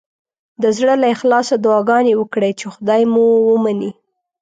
د زړه له اخلاصه دعاګانې وکړئ چې خدای مو ومني.